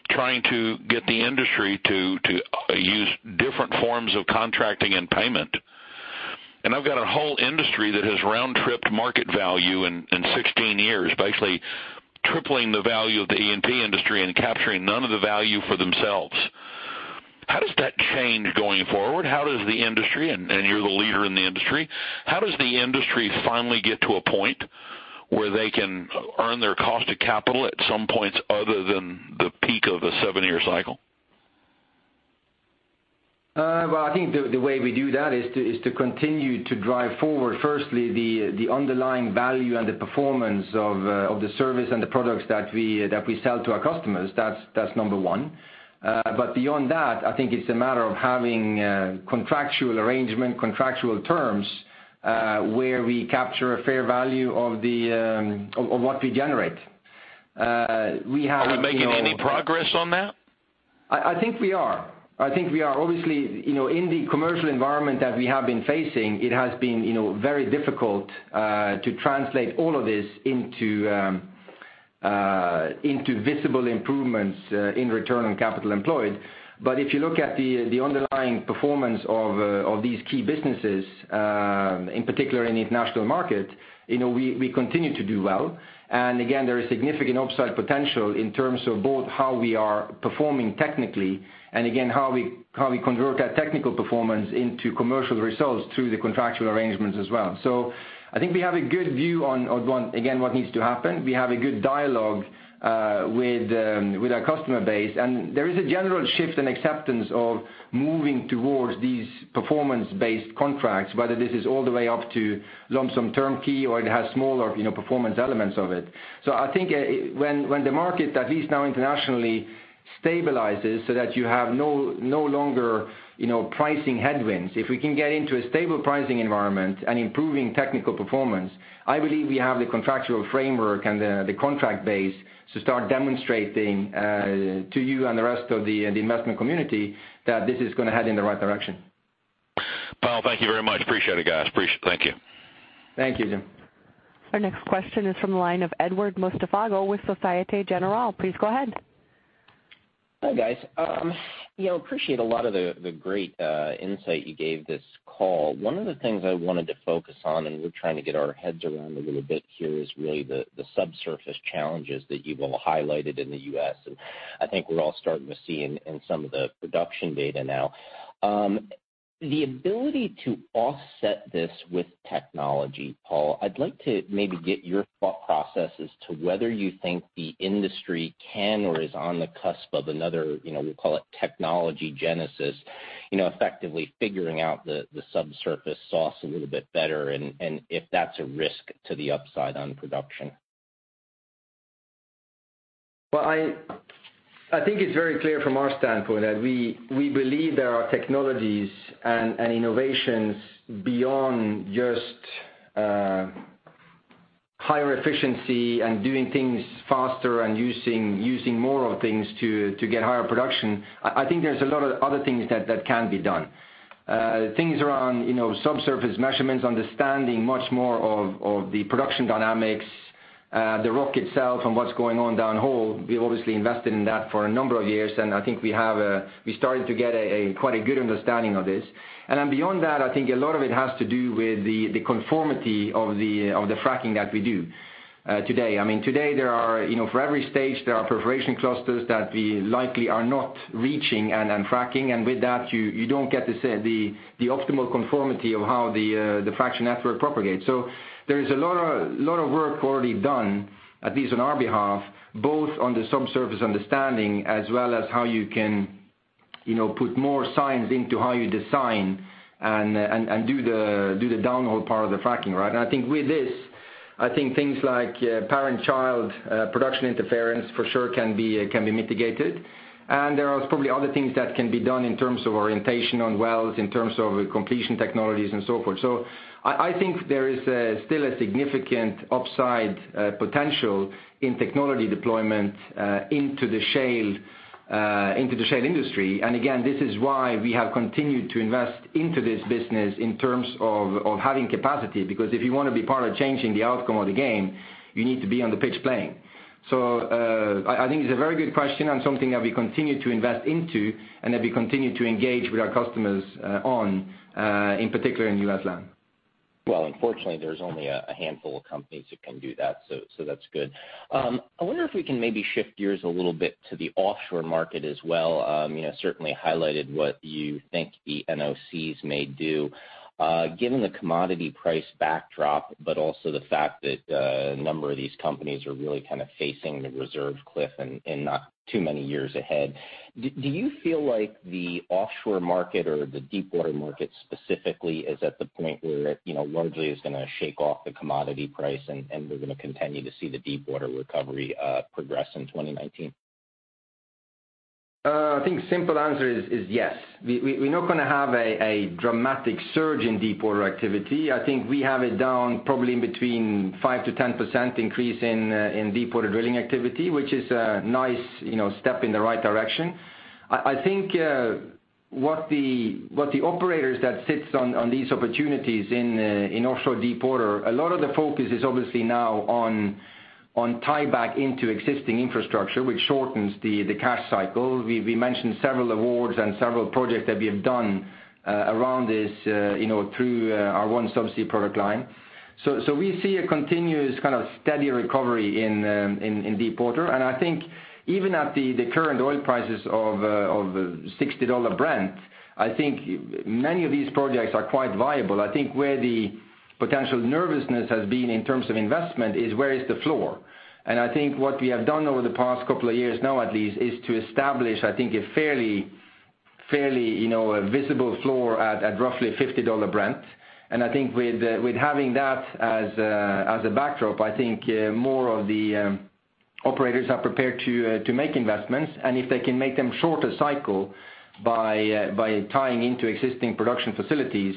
S10: trying to get the industry to use different forms of contracting and payment. I've got a whole industry that has round-tripped market value in 16 years, basically tripling the value of the E&P industry and capturing none of the value for themselves. How does that change going forward? How does the industry, and you're the leader in the industry, how does the industry finally get to a point where they can earn their cost of capital at some points other than the peak of a seven-year cycle?
S5: Well, I think the way we do that is to continue to drive forward, firstly, the underlying value and the performance of the service and the products that we sell to our customers. That's number one. Beyond that, I think it's a matter of having contractual arrangement, contractual terms, where we capture a fair value of what we generate.
S10: Are we making any progress on that?
S5: I think we are. Obviously, in the commercial environment that we have been facing, it has been very difficult to translate all of this into visible improvements in return on capital employed. If you look at the underlying performance of these key businesses, in particular in the international market, we continue to do well. Again, there is significant upside potential in terms of both how we are performing technically, and again, how we convert that technical performance into commercial results through the contractual arrangements as well. I think we have a good view on, again, what needs to happen. We have a good dialogue with our customer base, and there is a general shift in acceptance of moving towards these performance-based contracts, whether this is all the way up to lump-sum turnkey, or it has smaller performance elements of it. I think when the market, at least now internationally, stabilizes so that you have no longer pricing headwinds, if we can get into a stable pricing environment and improving technical performance, I believe we have the contractual framework and the contract base to start demonstrating to you and the rest of the investment community that this is going to head in the right direction.
S10: Paal, thank you very much. Appreciate it, guys. Thank you.
S5: Thank you, Jim.
S1: Our next question is from the line of Edward Muztafago with Société Générale. Please go ahead.
S11: Hi, guys. Appreciate a lot of the great insight you gave this call. One of the things I wanted to focus on, we're trying to get our heads around a little bit here, is really the subsurface challenges that you've all highlighted in the U.S., and I think we're all starting to see in some of the production data now. The ability to offset this with technology, Paal, I'd like to maybe get your thought process as to whether you think the industry can or is on the cusp of another, we'll call it technology genesis, effectively figuring out the subsurface sauce a little bit better, and if that's a risk to the upside on production.
S5: I think it's very clear from our standpoint that we believe there are technologies and innovations beyond just higher efficiency and doing things faster and using more of things to get higher production. I think there's a lot of other things that can be done. Things around subsurface measurements, understanding much more of the production dynamics, the rock itself, and what's going on downhole. We obviously invested in that for a number of years, and I think we started to get quite a good understanding of this. Beyond that, I think a lot of it has to do with the conformity of the fracking that we do today. Today, for every stage, there are perforation clusters that we likely are not reaching and fracking. With that, you don't get the optimal conformity of how the fracture network propagates. There is a lot of work already done, at least on our behalf, both on the subsurface understanding as well as how you can put more science into how you design and do the downhole part of the fracking. I think with this, things like parent-child production interference for sure can be mitigated. There are probably other things that can be done in terms of orientation on wells, in terms of completion technologies and so forth. I think there is still a significant upside potential in technology deployment into the shale industry. Again, this is why we have continued to invest into this business in terms of having capacity, because if you want to be part of changing the outcome of the game, you need to be on the pitch playing. I think it's a very good question and something that we continue to invest into and that we continue to engage with our customers on, in particular in U.S. land.
S11: Well, unfortunately, there's only a handful of companies that can do that, so that's good. I wonder if we can maybe shift gears a little bit to the offshore market as well. Certainly highlighted what you think the NOCs may do. Given the commodity price backdrop, but also the fact that a number of these companies are really kind of facing the reserve cliff in not too many years ahead. Do you feel like the offshore market or the deepwater market specifically is at the point where it largely is going to shake off the commodity price and we're going to continue to see the deepwater recovery progress in 2019?
S5: I think simple answer is yes. We're not going to have a dramatic surge in deepwater activity. I think we have it down probably in between 5%-10% increase in deepwater drilling activity, which is a nice step in the right direction. I think what the operators that sits on these opportunities in offshore deepwater, a lot of the focus is obviously now on tieback into existing infrastructure, which shortens the cash cycle. We mentioned several awards and several projects that we have done around this through our OneSubsea product line. We see a continuous kind of steady recovery in deepwater. I think even at the current oil prices of $60 Brent, I think many of these projects are quite viable. I think where the potential nervousness has been in terms of investment is where is the floor? I think what we have done over the past couple of years now at least, is to establish, I think, a fairly visible floor at roughly $50 Brent. I think with having that as a backdrop, I think more of the operators are prepared to make investments, and if they can make them shorter cycle by tying into existing production facilities,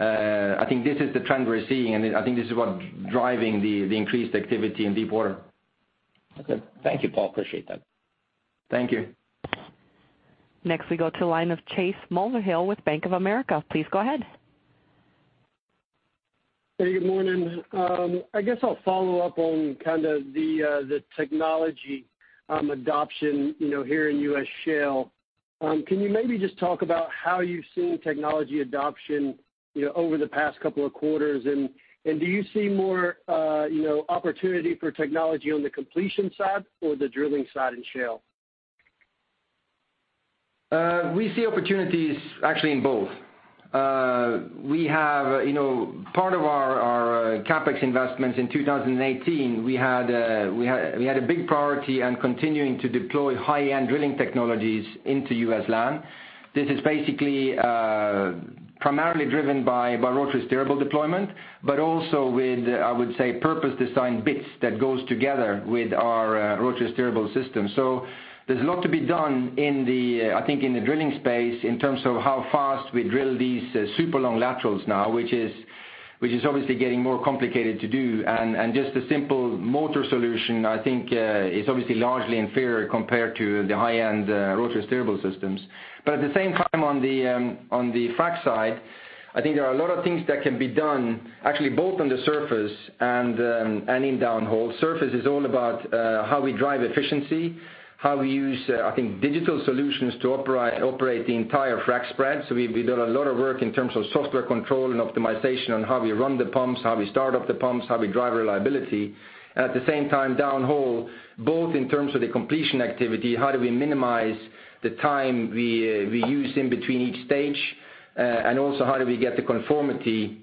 S5: I think this is the trend we're seeing, and I think this is what driving the increased activity in deepwater.
S11: Okay. Thank you, Paal. Appreciate that.
S5: Thank you.
S1: Next we go to the line of Chase Mulvehill with Bank of America. Please go ahead.
S12: Good morning. I guess I'll follow up on the technology adoption here in U.S. shale. Can you maybe just talk about how you've seen technology adoption over the past couple of quarters? Do you see more opportunity for technology on the completion side or the drilling side in shale?
S5: We see opportunities actually in both. Part of our CapEx investments in 2018, we had a big priority on continuing to deploy high-end drilling technologies into U.S. land. This is basically primarily driven by rotary steerable deployment, but also with, I would say, purpose-designed bits that goes together with our rotary steerable system. There's a lot to be done in the drilling space in terms of how fast we drill these super long laterals now, which is obviously getting more complicated to do. Just a simple motor solution, I think is obviously largely inferior compared to the high-end rotary steerable systems. At the same time on the frack side, I think there are a lot of things that can be done actually both on the surface and in downhole. Surface is all about how we drive efficiency, how we use digital solutions to operate the entire frack spread. We've done a lot of work in terms of software control and optimization on how we run the pumps, how we start up the pumps, how we drive reliability. At the same time downhole, both in terms of the completion activity, how do we minimize the time we use in between each stage? Also how do we get the conformity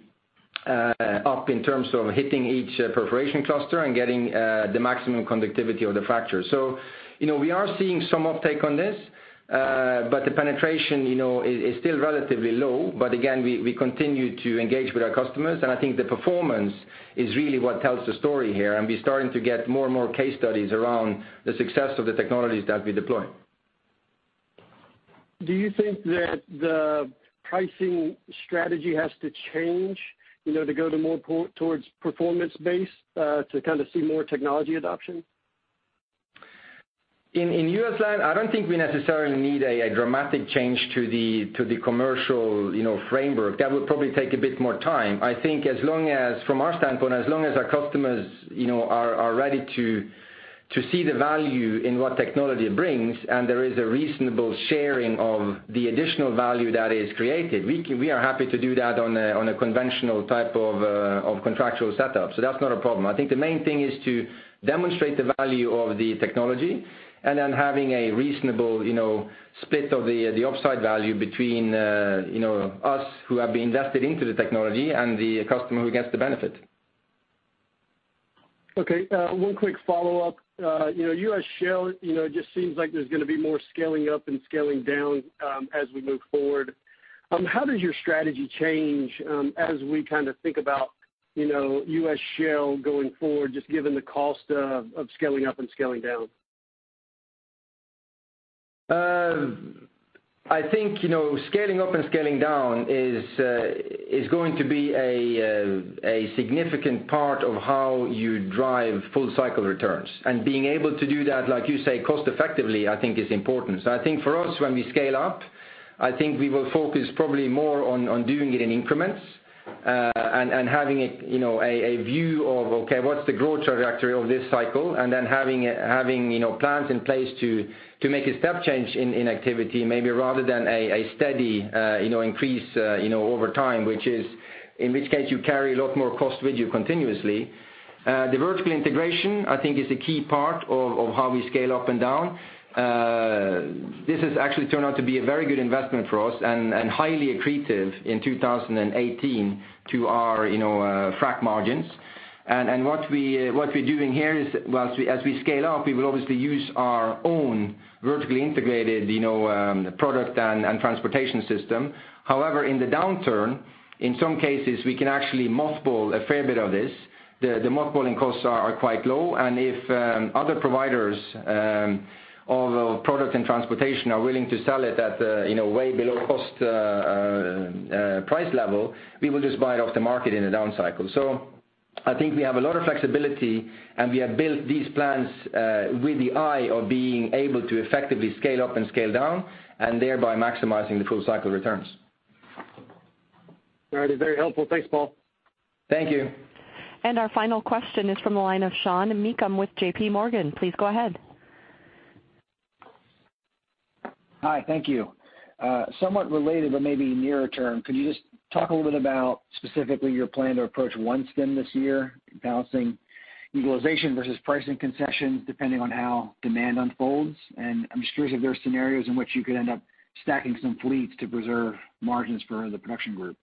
S5: up in terms of hitting each perforation cluster and getting the maximum conductivity of the fracture. We are seeing some uptake on this, but the penetration is still relatively low. Again, we continue to engage with our customers, and I think the performance is really what tells the story here. We're starting to get more and more case studies around the success of the technologies that we deploy.
S12: Do you think that the pricing strategy has to change to go more towards performance-based to see more technology adoption?
S5: In U.S. land, I don't think we necessarily need a dramatic change to the commercial framework. That would probably take a bit more time. I think from our standpoint, as long as our customers are ready to see the value in what technology brings, and there is a reasonable sharing of the additional value that is created, we are happy to do that on a conventional type of contractual setup. That's not a problem. I think the main thing is to demonstrate the value of the technology, and then having a reasonable split of the upside value between us, who have invested into the technology, and the customer, who gets the benefit.
S12: Okay. One quick follow-up. U.S. shale, it just seems like there's going to be more scaling up and scaling down as we move forward. How does your strategy change as we think about U.S. shale going forward, just given the cost of scaling up and scaling down?
S5: I think scaling up and scaling down is going to be a significant part of how you drive full cycle returns. Being able to do that, like you say, cost effectively, I think is important. I think for us, when we scale up, I think we will focus probably more on doing it in increments, and having a view of, okay, what's the growth trajectory of this cycle? Then having plans in place to make a step change in activity maybe rather than a steady increase over time, in which case you carry a lot more cost with you continuously. The vertical integration, I think, is a key part of how we scale up and down. This has actually turned out to be a very good investment for us and highly accretive in 2018 to our frack margins. What we're doing here is, as we scale up, we will obviously use our own vertically integrated product and transportation system. However, in the downturn, in some cases, we can actually mothball a fair bit of this. The mothballing costs are quite low. If other providers of product and transportation are willing to sell it at way below cost price level, we will just buy it off the market in a down cycle. I think we have a lot of flexibility, and we have built these plans with the eye of being able to effectively scale up and scale down, and thereby maximizing the full cycle returns.
S12: That is very helpful. Thanks, Paal.
S5: Thank you.
S1: Our final question is from the line of Sean Meakim with JPMorgan. Please go ahead.
S13: Hi, thank you. Somewhat related, but maybe nearer term, could you just talk a little bit about specifically your plan to approach OneStim this year, balancing equalization versus pricing concessions depending on how demand unfolds? I'm just curious if there are scenarios in which you could end up stacking some fleets to preserve margins for the production group.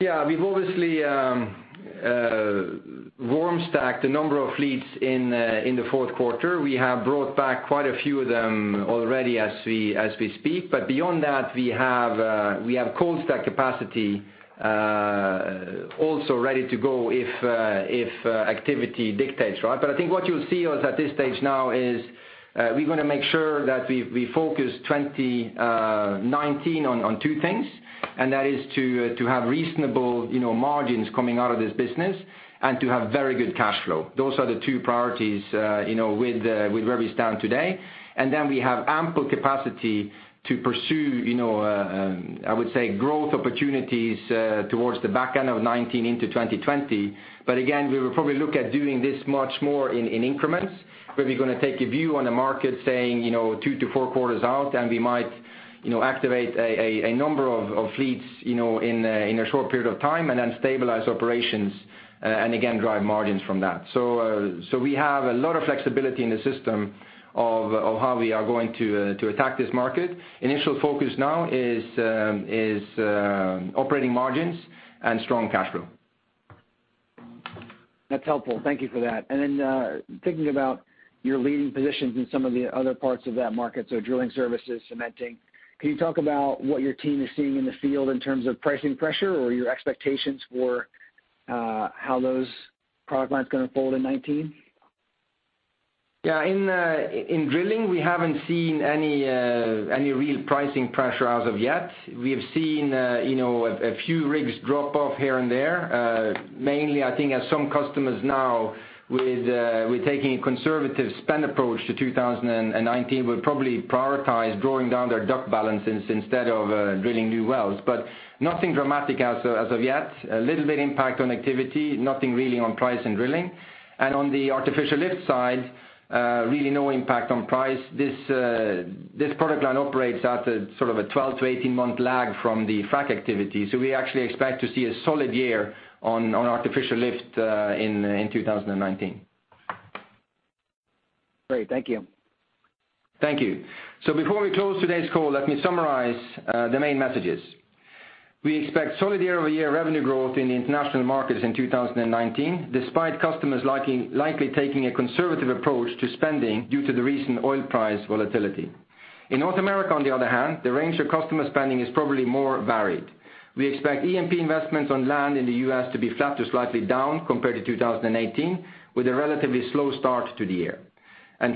S5: Yeah. We've obviously warm stacked a number of fleets in the fourth quarter. We have brought back quite a few of them already as we speak. Beyond that, we have cold stack capacity also ready to go if activity dictates, right? I think what you'll see is at this stage now is we're going to make sure that we focus 2019 on two things, that is to have reasonable margins coming out of this business and to have very good cash flow. Those are the two priorities with where we stand today. We have ample capacity to pursue, I would say, growth opportunities towards the back end of 2019 into 2020. Again, we will probably look at doing this much more in increments, where we're going to take a view on the market saying, two to four quarters out, and we might activate a number of fleets in a short period of time and then stabilize operations, and again, drive margins from that. We have a lot of flexibility in the system of how we are going to attack this market. Initial focus now is operating margins and strong cash flow.
S13: That's helpful. Thank you for that. Thinking about your leading positions in some of the other parts of that market, so drilling services, cementing, can you talk about what your team is seeing in the field in terms of pricing pressure or your expectations for how those product lines are going to fold in 2019?
S5: Yeah. In drilling, we haven't seen any real pricing pressure as of yet. We have seen a few rigs drop off here and there. Mainly, I think as some customers now with taking a conservative spend approach to 2019, will probably prioritize drawing down their DUC balances instead of drilling new wells. Nothing dramatic as of yet. A little bit impact on activity, nothing really on price and drilling. On the artificial lift side, really no impact on price. This product line operates at a 12-18 month lag from the frack activity. We actually expect to see a solid year on artificial lift in 2019.
S13: Great. Thank you.
S5: Thank you. Before we close today's call, let me summarize the main messages. We expect solid year-over-year revenue growth in the international markets in 2019, despite customers likely taking a conservative approach to spending due to the recent oil price volatility. In North America, on the other hand, the range of customer spending is probably more varied. We expect E&P investments on land in the U.S. to be flat to slightly down compared to 2018, with a relatively slow start to the year.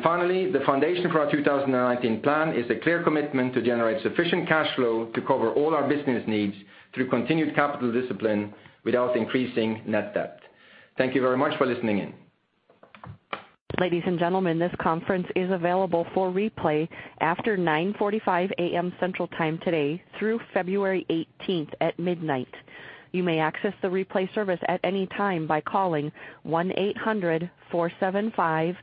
S5: Finally, the foundation for our 2019 plan is a clear commitment to generate sufficient cash flow to cover all our business needs through continued capital discipline without increasing net debt. Thank you very much for listening in.
S1: Ladies and gentlemen, this conference is available for replay after 9:45 A.M. Central Time today through February 18th at midnight. You may access the replay service at any time by calling one eight hundred four seven five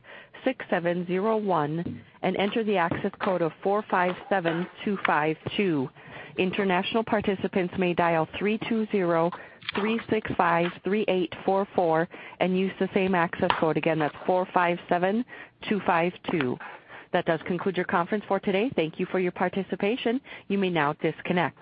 S1: six seven zero one and enter the access code of four five seven two five two. International participants may dial three two one three six five three eight four four and use the same access code. Again, that's four five seven two five two. That does conclude your conference for today. Thank you for your participation. You may now disconnect.